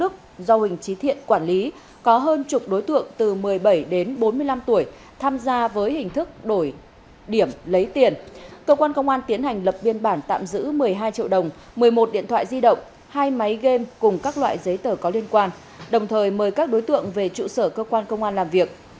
cơ quan công an tiến hành lập biên bản tạm giữ một mươi hai triệu đồng một mươi một điện thoại di động hai máy game cùng các loại giấy tờ có liên quan đồng thời mời các đối tượng về trụ sở cơ quan công an làm việc